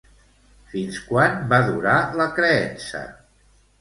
Fins quan va durar la creença?